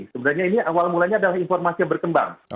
sebenarnya ini awal mulanya adalah informasi yang berkembang